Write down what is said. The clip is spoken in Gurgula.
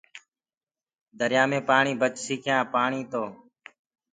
دريآ مي پآڻي بچسي ڪيآنٚ پآڻيٚ تو